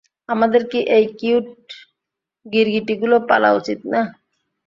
আমাদের কি এই কিউট গিরগিটিগুলো পালা উচিত না?